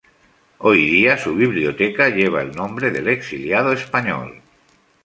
Hoy día su biblioteca lleva el nombre del exiliado español.